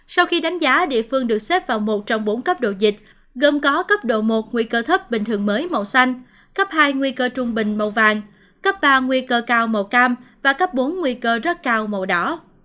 sau khi đánh giá địa phương được xếp vào một trong bốn cấp độ dịch gồm có cấp độ một nguy cơ thấp bình thường mới màu xanh cấp hai nguy cơ trung bình màu vàng cấp ba nguy cơ cao màu cam và cấp bốn nguy cơ rất cao màu đỏ